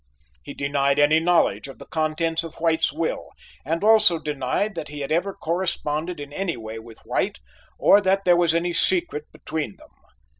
He denied any knowledge of the contents of White's will and also denied that he had ever corresponded in any way with White, or that there was any secret between them.